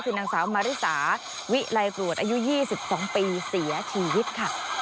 คือนางสาวมาริสาวิไลกรวดอายุ๒๒ปีเสียชีวิตค่ะ